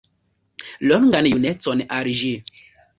Longan junecon al ĝi!